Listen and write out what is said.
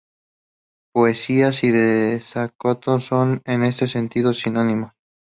Poesía y desacato son, en este sentido, sinónimos.